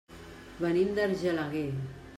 Venim d'Argelaguer.